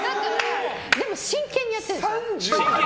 でも真剣にやってるの。